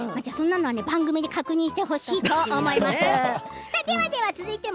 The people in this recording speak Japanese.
番組で確認してほしいと思います。